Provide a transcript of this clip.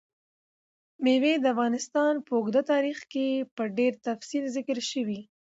مېوې د افغانستان په اوږده تاریخ کې په ډېر تفصیل ذکر شوي.